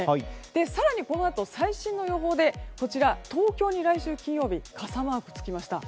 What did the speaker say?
更に、このあと最新の予報で東京に来週金曜日傘マークがつきました。